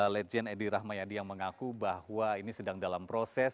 legend edi rahmayadi yang mengaku bahwa ini sedang dalam proses